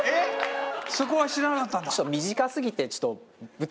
そこは知らなかったんだ。